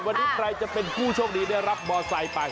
วันนี้ใครจะเป็นผู้โชคดีได้รับมอไซค์ไป